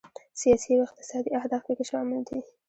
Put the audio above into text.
سیاسي او اقتصادي اهداف پکې شامل دي.